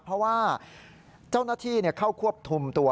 เพราะว่าเจ้าหน้าที่เข้าควบคุมตัว